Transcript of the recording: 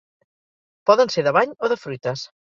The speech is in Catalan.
Poden ser de bany o de fruites.